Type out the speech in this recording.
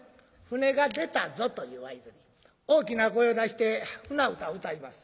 船が出たぞという合図に大きな声を出して舟唄歌います。